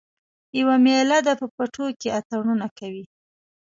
یوه میله ده په پټو کې اتڼونه کوي